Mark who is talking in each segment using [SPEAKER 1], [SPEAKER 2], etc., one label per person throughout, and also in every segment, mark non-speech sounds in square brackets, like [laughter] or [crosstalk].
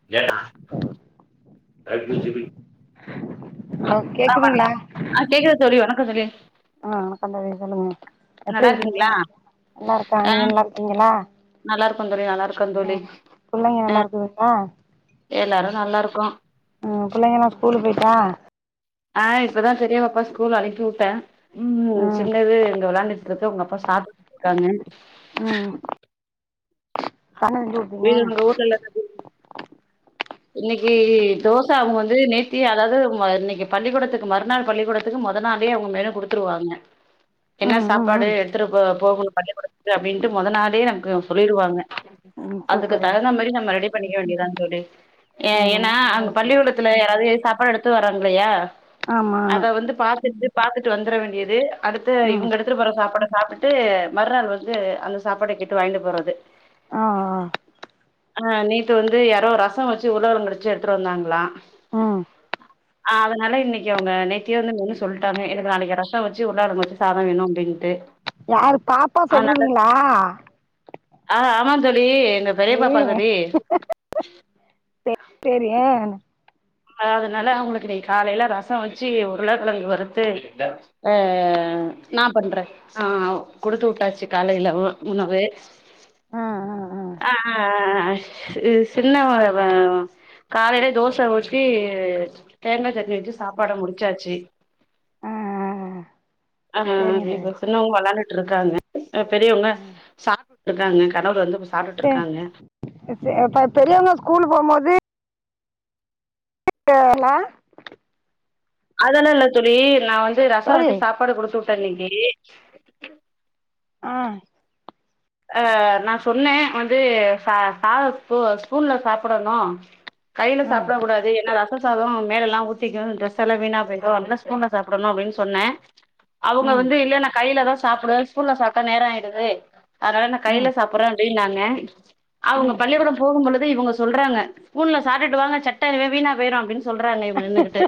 [SPEAKER 1] [inaudible]
[SPEAKER 2] hello கேக்குதுங்களா
[SPEAKER 1] ஆ கேக்குது தோழி வணக்கோ தோழி
[SPEAKER 2] ஆஹ வணக்கம் தோழி சொல்லுங்க
[SPEAKER 1] நல்லா
[SPEAKER 2] எப்டி இருக்கீங்க
[SPEAKER 1] இருக்கீங்களா
[SPEAKER 2] நல்லா இருக்கா
[SPEAKER 1] ஆ
[SPEAKER 2] நீங்க நல்லா இருக்கீங்ளா
[SPEAKER 1] நல்லா இருக்கோ தோழி நல்லா இருக்கோ தோழி
[SPEAKER 2] புள்ளைங்க
[SPEAKER 1] அஹ
[SPEAKER 2] நல்லா இருக்குதுங்களா
[SPEAKER 1] எல்லாரு நல்லா இருக்கோ
[SPEAKER 2] ம் புள்ளைங்கல்லா ஸ்கூலு போயிட்டா
[SPEAKER 1] ஆ இப்பதா பெரியாபாப்பா ஸ்கூல் அனுப்பி வுட்டே உம்
[SPEAKER 2] ம்
[SPEAKER 1] சின்னது இங்க வெளயாண்டு இப்பதா உங்க அப்பா சாப்புட்ருக்காங்க
[SPEAKER 2] உம் [inaudible]
[SPEAKER 1] [unintelligible] இன்னைக்கு தோசை அவுங்க வந்து நேத்தி அதாவ்து இன்னைக்கு பள்ளிக்கூடத்துக்கு மறுநாள் பள்ளிக்கூடத்து முதநாளே அவுங்க மெனு குடுத்துருவாங்க என்ன
[SPEAKER 2] ம் ம்
[SPEAKER 1] சாப்பாடு
[SPEAKER 2] ம்
[SPEAKER 1] எடுத்துட்டு போகுனு பள்ளிகூடத்க்கு அப்டின்ட்டு முத நாளே நமக்கு சொல்லிடுவாங்க
[SPEAKER 2] ம்
[SPEAKER 1] அதுக்கு
[SPEAKER 2] சூப்பரு
[SPEAKER 1] தகுந்த மாரி நம்ம ரெடி பண்ணிக்க வேண்டியதான்ந் தோழி
[SPEAKER 2] ஆ ரொம்ப
[SPEAKER 1] ஏனா
[SPEAKER 2] நல்ல
[SPEAKER 1] அங்க
[SPEAKER 2] விஷயம்
[SPEAKER 1] பள்ளிக்கூடத் யாராவ்து சாப்பாடு எடுத்து வராங்களையா
[SPEAKER 2] ஆமா
[SPEAKER 1] அத வந்து பார்த்துட்டு பார்த்துட்டு வந்தர வேண்டியது அடுத்த
[SPEAKER 2] ம்
[SPEAKER 1] இவங்கடுத் திட்டு போற சாப்பாட சாப்புட்டு மறுநாள் வந்து அந்த சாப்பாட கேட்டு வாங்ட்டு போறது
[SPEAKER 2] ஆஹ ஆஹ
[SPEAKER 1] அ நேத்து வந்து யாரோ ரசம் வெச்சு உருளக்கெழங் வெச்சு எடுத்ட்டு வந்தாங்களா
[SPEAKER 2] ம்
[SPEAKER 1] ஆ அதனால இன்னைக்கு அவுங்க நேத்தியே மெனு சொல்ட்டாங்க எனக் நாளைக்கு ரசம் வெச்சு உருளக்கெழங் சாத வேணு அப்டின்ட்டு
[SPEAKER 2] யாரு பாப்பா சொல்றதுங்களா
[SPEAKER 1] ஆஹ ஆமாத்தோழி எங்க பெரியப்பாப்பா தோழி
[SPEAKER 2] சேரி சேரி
[SPEAKER 1] அதனால அவங்ளுக்கு இன்னைக்கு காலைல ரச வேச்சு உருளைக்கெழங்கு வறுத்து ஆஹ நான் பண்றது ஆஹ குடுத்து வுட்டாச்சு காலைல உணவு
[SPEAKER 2] ஆ ஆ ஆ
[SPEAKER 1] ஆஹ ஹ ஹ சின்ன [unintelligible] காலைலே தோச ஊத்தி தேங்காய் சட்னி வெச்சு சாப்பாட முடிச்சாச்சு
[SPEAKER 2] ஆ ஆ
[SPEAKER 1] ஆஹ ஹ
[SPEAKER 2] சரிங்க தோழி
[SPEAKER 1] இப்ப சின்னவங்க வெளயாண்டுட்டு இருக்காங்க பெரியவங்க
[SPEAKER 2] ம்
[SPEAKER 1] சாப் இருக்காங்க கடவுள்ள வந்து இருந்து சாப்டுட்
[SPEAKER 2] சே
[SPEAKER 1] இருக்காங்க
[SPEAKER 2] பெரியவங்க ஸ்கூல் போம்போது கே கேரளா
[SPEAKER 1] அதெல்லா இல்ல தோழி நா வந்து ரசம்
[SPEAKER 2] தோழி
[SPEAKER 1] வச்சு சாப்பாடு குடுத்து விட்டே இன்னிக்கி
[SPEAKER 2] ஆ
[SPEAKER 1] அ நா சொன்னே வந்து ச சாத ஸ்பூன்ல சாப்புடணு கையில
[SPEAKER 2] ஆ
[SPEAKER 1] சாப்புட கூடாது என்னலா ரச சாதம் அவ மேல எல்லா ஊத்திக்கு டிரெஸ் எல்லா வீணா போயிரு அந்த ஸ்பூன்ல சாப்புடணு அப்டி நா சொன்னே
[SPEAKER 2] ம்
[SPEAKER 1] அவுங்க
[SPEAKER 2] ம்
[SPEAKER 1] வந்து இல்ல நா கையில தா சாப்புடுவே ஸ்பூன்ல சாப்ட்டா நேரம் ஆயிடுது அதனால நா கையில சாப்புறே அப்டினாங்க அவுங்க
[SPEAKER 2] ம்
[SPEAKER 1] பள்ளி கூடம் போகும்போது இவுங்க சொல்றாங்க ஸ்பூல சாப்ட்டுவாங்க சட்ட வீணா போயிடு அப்டி சொல்றாங்க இவுங்க நின்னுகிட்டு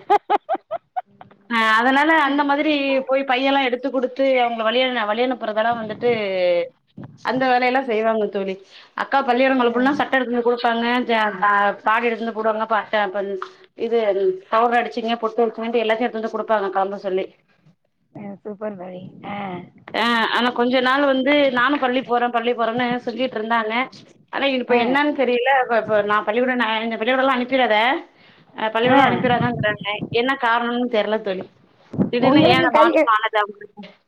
[SPEAKER 1] ஆ அதனால அந்த மாரி போய் பையெல்லா எடுத்து குடுத்து அவுங்க வழியண வழியனுப்புகறதெல்லா வந்துட்டு தே அந்த வேலையெல்லா செய்வாங்க தோழி அக்கா பள்ளி கூடம்
[SPEAKER 2] ஆ
[SPEAKER 1] கெலம்புனா
[SPEAKER 2] ஆ
[SPEAKER 1] சட்ட எடுத்து கொடுப்பாங்க [unintelligible] பாதி எடுத்து வந்து போடுவாங்க பா இது பவுடர் அடிச்சிங்க பொட்டு வடிச்சிங்க எல்லாத்தையு எடுத்து வந்து கொடுப்பாங்க கெலம்ப சொல்லி
[SPEAKER 2] சூப்பர் தோழி ஆ
[SPEAKER 1] ஆ ஆனா கொஞ்சோ நாள் வந்து நானு பள்ளி பள்ளி போறோம்னு சொல்லிட்டு இருந்தாங்க ஆனா இது இப்ப
[SPEAKER 2] ஆ
[SPEAKER 1] என்ன தெரியல இப்ப நா பள்ளிக்கூடம் நா பள்ளிக்கூடம் அனுப்பிறாத ஆ பள்ளிகூடம் அனுப்பிறாதெ கிறாங்க என்ன காரணனு தெரியல தோழி திடிரென ஏ
[SPEAKER 2] உங்களுக்கு
[SPEAKER 1] அந்த மாற்ற ஆ [unintelligible]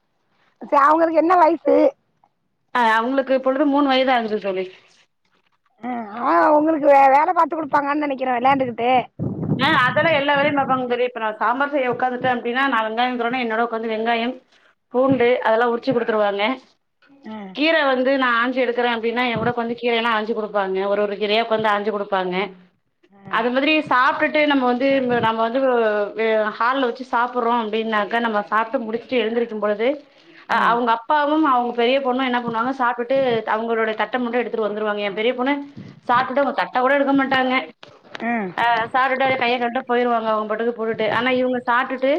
[SPEAKER 2] ச அவுங்களுக்கு என்ன வயசு
[SPEAKER 1] ஆ அவுங்களுக்கு இப்போழுது மூணு வயது ஆகுது தோழி
[SPEAKER 2] ஆ உங்களுக்கு வே வேல பாத்து குடுப்பாங்க நெனைக்கிறே விளையாண்டுகிட்டு
[SPEAKER 1] ஆ அதெல்ல எல்லா வேலயு பாப்பாங்க தோழி ந இப்ப சாம்பார் செய்யஉக்காந்துட்டே அப்டினா நா வெங்காய உட்காந்துடனே வெங்காய பூண்டு அதெல்லாம உரிச்சு குடுத்துருவாங்க
[SPEAKER 2] ஆ
[SPEAKER 1] கீர வந்து து நா ஆஞ்சு எடுக்குரேனா என் கூட கொஞ்ச கீர எல்லா ஆஞ்சு கொடுப்பாங்க ஒரு ஒருகீரயா உக்காந்து ஆஞ்சு கொடுப்பாங்க
[SPEAKER 2] ஆ
[SPEAKER 1] அது மாரி சாப்பிட்டுட்டு நம்ம வந்து நம்ம வந்து ஹாலில் வச்சு சாப்றோம் அப்டினாக்கா நம்ம சாப்ட்டு முடிச்சு எழுந்திருக்கு போது
[SPEAKER 2] ம்
[SPEAKER 1] அவுங்க அப்பாவு அவுங்க பெரிய பொண்ணு என்ன பண்ணுவாங்க சாப்ட்டு அவுங்களுடைய தட்ட மட்டு எடுத்துட்டு எடுத்துட்டு வந்துருவாங்க எ பெரிய பொண்ணு சாப்ட்டு அவுங்க தட்ட கூட எடுக்க மாட்டாங்க
[SPEAKER 2] ஆ
[SPEAKER 1] அ சாப்ட்டு அது கையை கழிவிட்டு போய்டுவாங்க அவுங்க பாட்டுக்கு போட்டுட்டு ஆன இவுங்க சாட்டுட்டு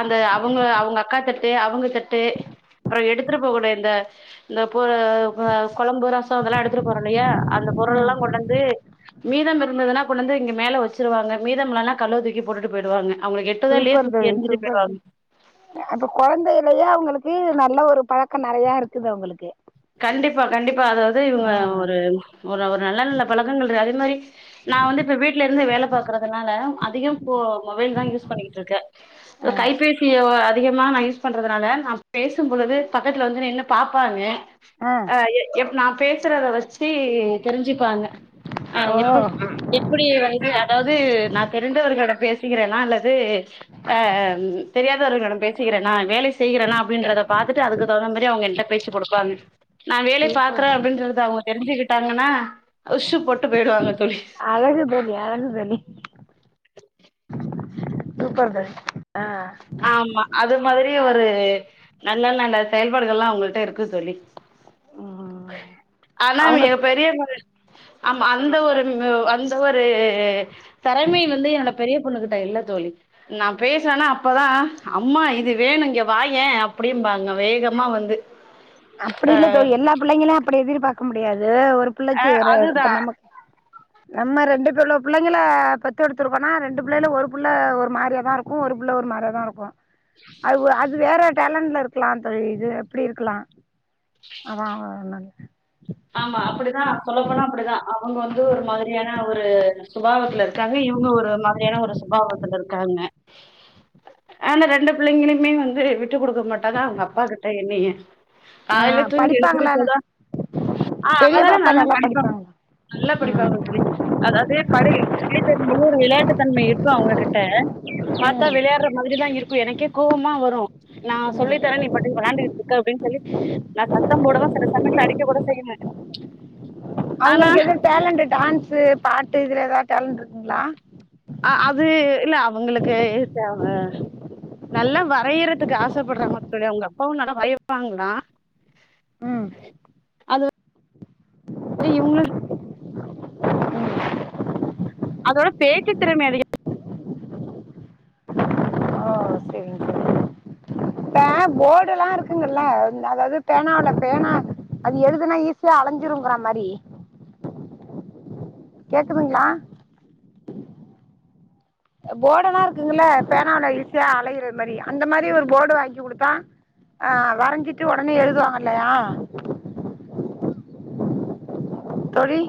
[SPEAKER 1] அந்த அவுங்க அவுங்க அக்கா தட்டு அவுங்க தட்டு அப்பற எடுத்துட்டு போக கூடிய இந்த இந்த பொ கொழம்பு ரசம் இதெல்லா எடுத்துட்டு போறோ இல்லயா அந்த பொருள்
[SPEAKER 2] ம்
[SPEAKER 1] எல்லா கொண்டாந்து மீதம் இருந்ததுனா கொண்டாந்து இங்க மேல வச்சிருவாங்க மீதம் இல்லனா கழுவ தூக்கி போட்டுட்டு போயிடுவாங்க அவுங்களுக்கு எ எட்டுதோ
[SPEAKER 2] சூப்பர்
[SPEAKER 1] தூக்கி
[SPEAKER 2] தோழி
[SPEAKER 1] எரிஞ்சுட்டு
[SPEAKER 2] சூப்பர்
[SPEAKER 1] போய்டு வாங்க
[SPEAKER 2] அப்ப குழந்தையிலயே அவுங்களுக்கு நல்ல ஒரு பழக்க நேறய இருக்குது அவுங்களுக்கு
[SPEAKER 1] கண்டிப்பா கண்டிப்பா அதாவது இவுங்க ஒரு ஒரு ஒரு நல்ல நல்ல பழக்கங்கள் இருக்கு அதே மாரி நா வந்து இப்ப வீட்ல இருந்து வேல பாக்குறதுனால அதிகம் இப்போ மொபைல் தா யூஸ் பண்ணிட்டு இருக்கே
[SPEAKER 2] ஆ
[SPEAKER 1] கைபேசி அதிகமா நா யூஸ் பண்றதுனால நா பேசு போது பக்கத்துல வந்து நின்னு பாப்பாங்க
[SPEAKER 2] ஆ
[SPEAKER 1] நா பேசுறத வச்சு தெரிஞ்சுப்பாங்க
[SPEAKER 2] ஓ
[SPEAKER 1] எப்ப எப்டி வந்து அதவது நா தெரிச்சங்கு பேசுகிறேனா அல்லது ஆ தெரியாதவர்களிடம் நா பேசுக்கிறேனா நா வேல செய்கிறேனா அப்டின்றத பாத்துட்டு அதுக்கு தகுந்த மாரி அவங்கிட்ட பேச்சு கொடுப்பாங்க நா வேலை
[SPEAKER 2] சூப்பர்
[SPEAKER 1] பாக்குறே
[SPEAKER 2] தோழி
[SPEAKER 1] அப்டின்றது அவுங்க தெரிஞ்சுக்கிட்டாங்கனா உஷ்ஷு போட்டு போயிடுவாங்க தோழி
[SPEAKER 2] அழகு தோழி [unintelligible] தோழி சூப்பர்ங்க ஆ
[SPEAKER 1] ஆமா அது மாத்ரி ஒரு நல்ல நல்ல செயல்பாடுகள்ளா அவங்கிள்ட இருக்கு தோழி
[SPEAKER 2] ம்
[SPEAKER 1] ஆனா
[SPEAKER 2] அவங்க
[SPEAKER 1] மிக பெரிய [inaudible] ஆமா அந்த ஒரு ம் அந்த ஒரு திறமை வந்து என்னோட பெரிய பொண்ணுகிட்ட இல்ல தோழி நா பேசுறேனா அப் பதா அம்மா இது வேணு இங்க வாயே அப்டிம்பாங்க வேகமா வந்து
[SPEAKER 2] அப்டி இல்ல தோழி எல்லா பிள்ளைங்களும் அப்டி எதிர்பாக்க முடியாது ஒரு பிள்ளைக்கு [unintelligible]
[SPEAKER 1] அதுதா
[SPEAKER 2] இப்ப நம்மக்
[SPEAKER 1] [inaudible]
[SPEAKER 2] நம்ம ரெண்டு பேருள்ள பிள்ளைங்கள பெத் எடுத்திருக்கோனா ரெண்டு பிள்ளைல ஒரு புள்ள ஒரு மாரியாதா இருக் கு ஒரு புள்ள ஒரு மாரியாதாருக்கு அவுக அது வேற டேலண்ட்ல இருக்கலா தோழி இது எப்டி இருக்கலா [unintelligible]
[SPEAKER 1] ஆமா அப்டிதா சொல்லப்போனா அப்டிதா அவங்க வந்து ஒரு மாத்ரியான ஒரு சுபாவத்லருக் காங்க இவங்க ஒரு மாத்ரியான ஒரு சுபாவத்துல இருக்காங்க அ இந்த ரெண்டு பிள்ளைங்களுமே வந்து விட்டு குடுக்க மாட்டாங்க அவங் அப்பா கிட்ட என்னைய
[SPEAKER 2] ஆ
[SPEAKER 1] டாய்லெட்லிருந்
[SPEAKER 2] படிப்பாங்களான்னு
[SPEAKER 1] எழுந்துறுச்சாளா ஆ
[SPEAKER 2] பெரிய
[SPEAKER 1] அதெல்லா
[SPEAKER 2] பாப்பா
[SPEAKER 1] நல்லா படிப்பாங்க
[SPEAKER 2] படிப்பாங்களா
[SPEAKER 1] நல்லா படிப்பாங்க
[SPEAKER 2] ம்
[SPEAKER 1] தோழி அதாவது படி [unintelligible] நூறு விளையாட்டு தன்ம இருக்கு அவங்ககிட்ட பாத்தா
[SPEAKER 2] ம்
[SPEAKER 1] விளையாட்ற மாத்ரிதா இருக்கு எனக்கே கோவமா வரு நா சொல்லித்தரே நீ பாடுக் வெளாண்டிற்றுக்க அப்டின் சொல்லி நா சத்தம் போடுவ சில சமயங்கள்ல அடி க்க குட செய்வே ஆனா
[SPEAKER 2] அவங்குளுக் எது டேலண்ட்டு டான்ஸு பாட்டு இதுல ஏதாவத் டேலண்ட் இருக்குங்ளா
[SPEAKER 1] அ அது இல்ல அவங்களுக்கு எது தேவ நல்லா வரையறதுக் ஆசப்பட்றாங்க தோழி அவங்க அப்பாவு நல்லா [unintelligible]
[SPEAKER 2] உம்
[SPEAKER 1] செரி இவுங்ளு அதோட பேச்சுத்திறமை அதிக
[SPEAKER 2] ஓ அ போடெல்லா இருக்குங்குல்ல அதாவது பேனால பேனா அது எழுதுனா ஈஸ் யா ஆலஞ்சுருங்கற மாரி
[SPEAKER 1] அ [inaudible]
[SPEAKER 2] கேக்குதுங்ளா அ போடெல்லா இருக்குங்கல பேனால ஈசியா அலையரத் மாரி அந்த மாரி ஒரு போடு வாங்கி குடுத்தா ஆ வரஞ்சிட்டு ஒடனே எழுதுவாங்கல்லயா தோழி